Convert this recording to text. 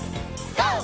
ＧＯ！